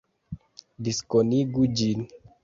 Diskonigu ĝin